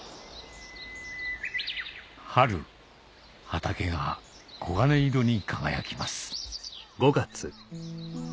春畑が黄金色に輝きます